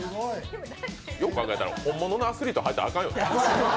よく考えたら、本物のアスリート入ったらあかんよね。